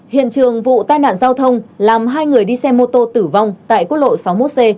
hiện trường vụ tai nạn giao thông làm hai người đi xe mô tô tử vong tại quốc lộ sáu mươi một c